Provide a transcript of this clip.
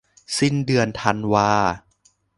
สิ้นเดือนธันวา